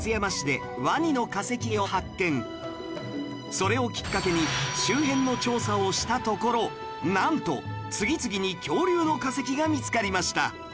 それをきっかけに周辺の調査をしたところなんと次々に恐竜の化石が見つかりました